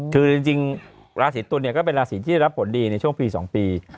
คือจริงราศีตุลเนี่ยก็เป็นราศีที่รับผลดีในช่วงปี๒ปี